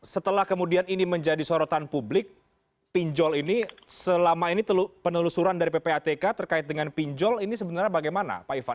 setelah kemudian ini menjadi sorotan publik pinjol ini selama ini penelusuran dari ppatk terkait dengan pinjol ini sebenarnya bagaimana pak ivan